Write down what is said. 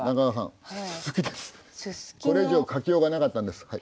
これ以上描きようがなかったんです。